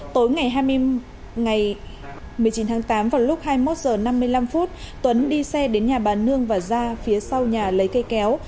tối ngày hai mươi chín tháng tám vào lúc hai mươi một h năm mươi năm tuấn đi xe đến nhà bà nương và ra phía sau nhà lấy cây kéo